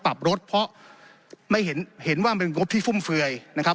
ปรับรถเพราะไม่เห็นเห็นว่ามันเป็นงบที่ฟุ่มเฟือยนะครับ